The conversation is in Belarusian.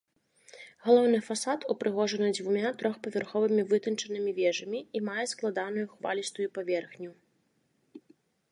Галоўны фасад упрыгожаны дзвюма трохпавярховымі вытанчанымі вежамі і мае складаную хвалістую паверхню.